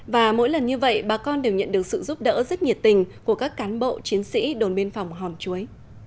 và mỗi lần như vậy bà con đều nhận được sự giúp đỡ rất nhiệt tình của các cán bộ chiến sĩ đồn biên phòng hòn chuối